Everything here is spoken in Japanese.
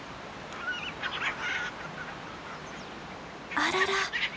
あらら。